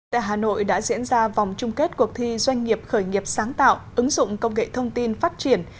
tại hà nội đã diễn ra vòng chung kết cuộc thi doanh nghiệp khởi nghiệp sáng tạo ứng dụng công nghệ thông tin phát triển